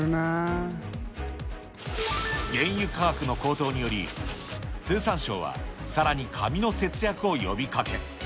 原油価格の高騰により、通産省はさらに紙の節約を呼びかけ。